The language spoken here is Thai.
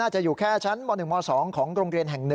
จะอยู่แค่ชั้นม๑ม๒ของโรงเรียนแห่ง๑